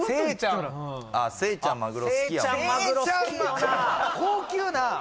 せいちゃん